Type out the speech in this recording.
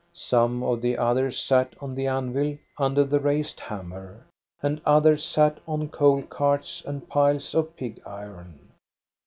Some of the others sat on the anvil under the raised hammer, and others sat on coal carts and piles of pig iron.